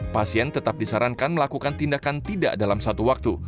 pasien tetap disarankan melakukan tindakan tidak dalam satu waktu